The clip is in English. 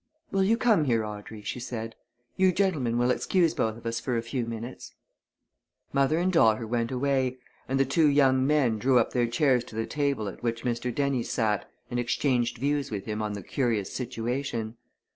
"Will you come here, Audrey?" she said. "You gentlemen will excuse both of us for a few minutes?" Mother and daughter went away, and the two young men drew up their chairs to the table at which Mr. Dennie sat and exchanged views with him on the curious situation.